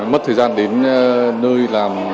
mất thời gian đến nơi làm